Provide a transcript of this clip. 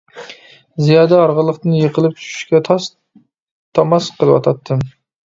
زىيادە ھارغىنلىقتىن يىقىلىپ چۈشۈشكە تاس-تاماس قېلىۋاتاتتىم.